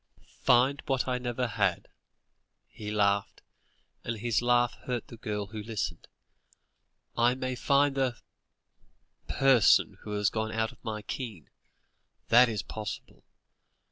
"Find what I have never had?" he laughed, and his laugh hurt the girl who listened. "I may find the person who has gone out of my ken; that is possible.